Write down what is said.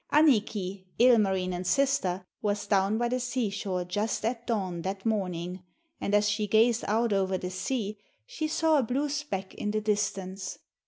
Annikki, Ilmarinen's sister, was down by the seashore just at dawn that morning, and as she gazed out over the sea, she saw a blue speck in the distance.